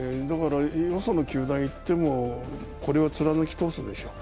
よその球団を行ってもこれを貫き通すでしょう。